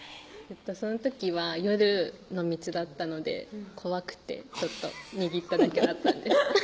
その時は夜の道だったので怖くてちょっと握っただけだったんです